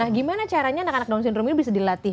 nah gimana caranya anak anak down syndrome ini bisa dilatih